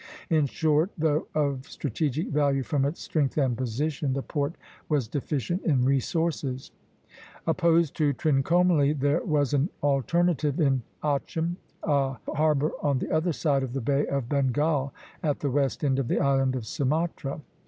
In short, though of strategic value from its strength and position, the port was deficient in resources. Opposed to Trincomalee there was an alternative in Achem, a harbor on the other side of the Bay of Bengal, at the west end of the island of Sumatra.